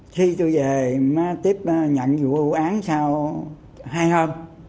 khi tôi về mới tiếp nhận vụ án sau hai hôm